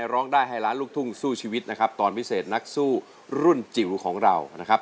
ร้องได้ให้ล้านลูกทุ่งสู้ชีวิตนะครับตอนพิเศษนักสู้รุ่นจิ๋วของเรานะครับ